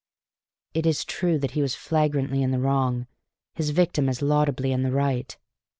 It is true that he was flagrantly in the wrong, his victim as laudably in the right.